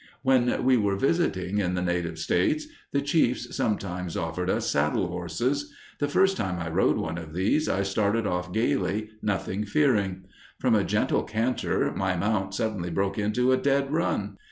When we were visiting in the native states, the chiefs sometimes offered us saddle horses. The first time I rode one of these, I started off gaily, nothing fearing. From a gentle canter my mount suddenly broke into a dead run.